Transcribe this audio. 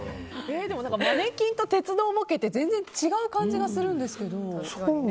マネキンと鉄道模型って全然違う感じがするんですけど。